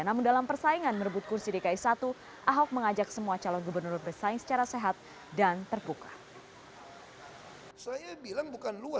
namun dalam persaingan merebut kursi dki satu ahok mengajak semua calon gubernur bersaing secara sehat dan terbuka